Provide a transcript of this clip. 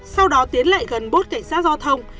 sau đó tiến lại gần bốt cảnh sát giao thông